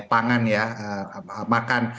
pangan ya makan